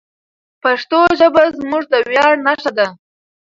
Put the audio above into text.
پښتو ژبه زموږ د ویاړ نښه ده.